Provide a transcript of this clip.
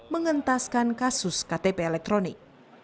menghentaskan kasus ktp elektronik